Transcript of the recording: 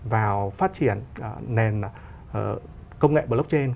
vào phát triển nền công nghệ blockchain